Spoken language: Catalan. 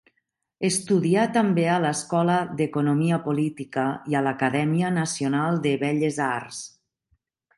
Estudià també a l'escola d'Economia Política i a l'Acadèmia Nacional de Belles Arts.